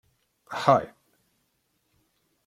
Ḥay!